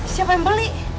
siapa yang beli